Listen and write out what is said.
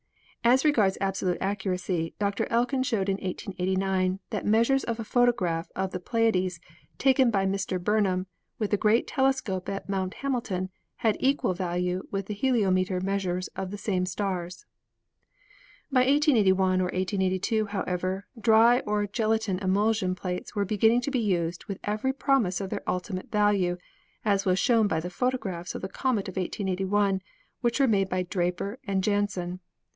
As regards absolute accuracy Dr. Elkin showed in 1889 that measures of a photograph of the Pleiades taken by Mr. Burnham, with the great telescope at Mount Hamilton, had equal value with the heliometer measures of the same stars." By 1 881 or 1882, however, dry or gelatine emulsion; plates were beginning to be used with every promise of their ultimate value, as was shown by the photographs of the comet of 1881, which were made by Draper and Jans sen.